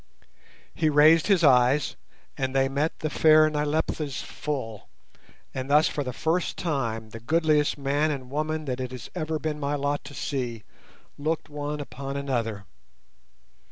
He raised his eyes, and they met the fair Nyleptha's full, and thus for the first time the goodliest man and woman that it has ever been my lot to see looked one upon another.